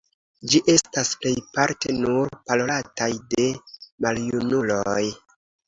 Ĝi estas plejparte nur parolataj de maljunuloj.